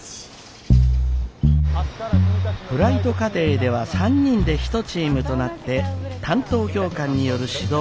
フライト課程では３人で一チームとなって担当教官による指導を受けます。